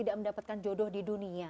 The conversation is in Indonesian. tidak mendapatkan jodoh di dunia